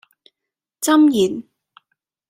箴言